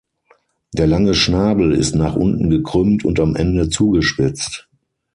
Der lange Schnabel ist nach unten gekrümmt und am Ende zugespitzt.